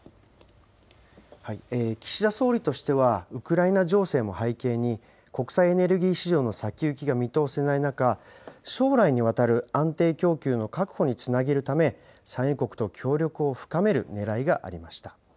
岸田総理としては、ウクライナ情勢も背景に、国際エネルギー市場の先行きが見通せない中、将来にわたる安定供給の確保につなげるため、産油国と協力を深めるねらいがありました。